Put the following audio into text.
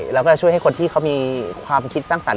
แล้วก็จะช่วยให้คนที่เขามีความคิดสร้างสรรค